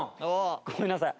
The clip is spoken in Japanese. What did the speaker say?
ごめんなさい。